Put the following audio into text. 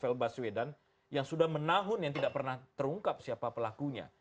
presiden melihat kasus novel baswedan yang sudah menahun yang tidak pernah terungkap siapa pelakunya